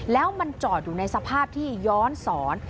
แล้วมันจอดอยู่ในสภาพที่ย้อนสอน